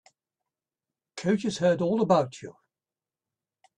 Coach has heard all about you.